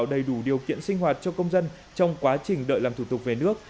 đầy đủ điều kiện sinh hoạt cho công dân trong quá trình đợi làm thủ tục về nước